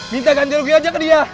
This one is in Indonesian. minta ganti rugi aja ke dia